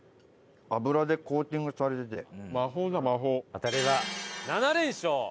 当たれば７連勝。